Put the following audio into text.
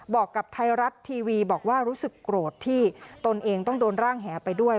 บอกกับไทยรัฐทีวีบอกว่ารู้สึกโกรธที่ตนเองต้องโดนร่างแหไปด้วย